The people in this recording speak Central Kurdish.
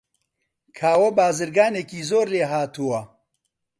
کاوە بازرگانێکی زۆر لێهاتووە.